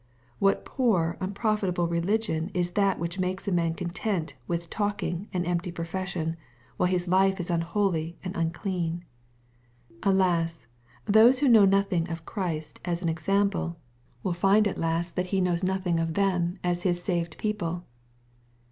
What poor unprofitable religion is that which makes a man content with talking and empty profession, while his life is unholy and un clean ! Alas ! those who know nothing of Christ, as an example, will find at last that He knows nothing of them 258 EXPOSITORY THOUGHTS. 88 HiB saved people.